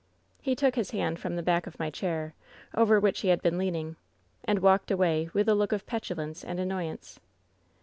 "He took his hand from the back of my chair, over which he had been leaning, and walked away with a look of petulance and annoyance.